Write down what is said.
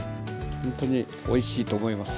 ほんとにおいしいと思います。